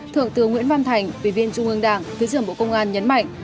thượng tướng nguyễn văn thành ủy viên trung ương đảng thứ trưởng bộ công an nhấn mạnh